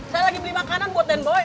saya lagi beli makanan buat dan boy